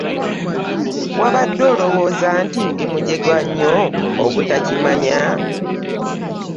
Wabadde olowooza ndi mujega nnyo obutakimanya?